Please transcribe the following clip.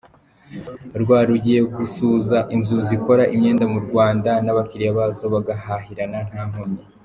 rw rugiye guhuza inzu zikora imyenda mu Rwanda n’abakiriya bazo bagahahirana nta nkomyi.